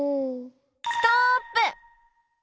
ストップ！